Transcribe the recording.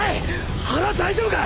腹大丈夫か！？